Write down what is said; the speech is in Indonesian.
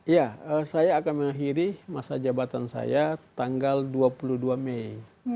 ya saya akan mengakhiri masa jabatan saya tanggal dua puluh dua mei